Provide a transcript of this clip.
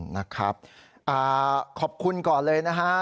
นะครับขอบคุณก่อนเลยนะฮะ